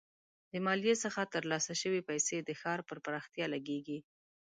د مالیې څخه ترلاسه شوي پیسې د ښار پر پراختیا لګیږي.